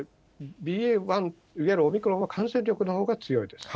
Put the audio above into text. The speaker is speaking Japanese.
ＢＡ．１、いわゆるオミクロンは感染力のほうが強いです。